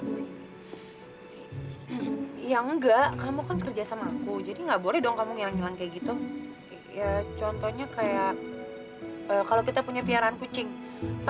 sampai jumpa di video selanjutnya